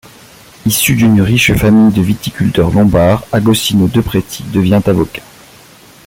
Issu d'une riche famille de viticulteurs lombards, Agostino Depretis devient avocat.